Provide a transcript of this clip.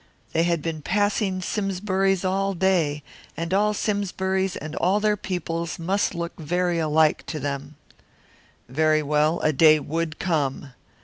They had been passing Simsburys all day, and all Simsburys and all their peoples must look very much alike to them. Very well a day would come.